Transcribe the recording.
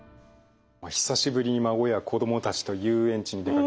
久しぶりに孫や子供たちと遊園地に出かける。